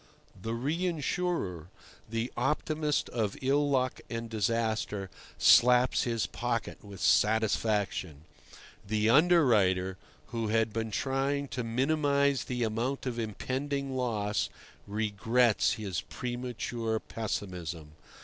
The reinsurer, the optimist of ill luck and disaster, slaps his pocket with satisfaction. The underwriter, who had been trying to minimize the amount of impending loss, regrets his premature pessimism.